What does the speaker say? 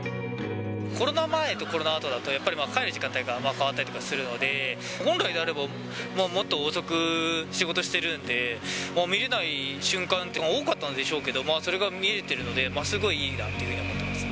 コロナ前とコロナあとだと、やっぱり帰る時間帯が変わったりとかするので、本来であれば、もっと遅く、仕事してるんで、見れない瞬間っていうのが多かったんでしょうけど、それが見られているので、すごいいいなっていうふうに思ってます